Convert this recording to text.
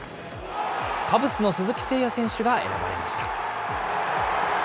カブスの鈴木誠也選手が選ばれました。